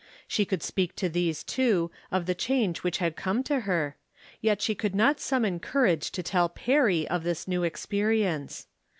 She could speak to these two of the change which had come to her, yet she could not summon cour age to tell Perry of this' new experience.